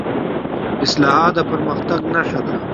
اصلاحات د پرمختګ نښه ده